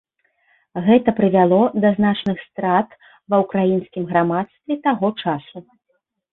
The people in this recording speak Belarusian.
Гэта прывяло да значных страт ва ўкраінскім грамадстве таго часу.